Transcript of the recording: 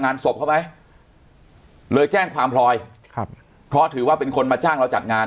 ศพเขาไหมเลยแจ้งความพลอยครับเพราะถือว่าเป็นคนมาจ้างเราจัดงาน